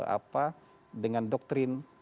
apa dengan doktrin